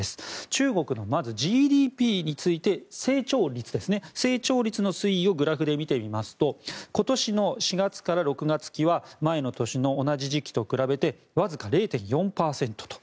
中国のまず、ＧＤＰについて成長率の推移をグラフで見てみますと今年の４月から６月期は前の年の同じ時期と比べてわずか０．４％と。